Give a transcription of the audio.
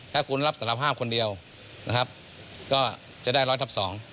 ถ้าคุณรับสารภาพคนเดียวนะครับก็จะได้ร้อยทับสอง